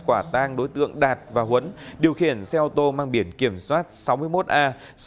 quả tang đối tượng đạt và huấn điều khiển xe ô tô mang biển kiểm soát sáu mươi một a sáu mươi sáu nghìn ba trăm tám mươi bốn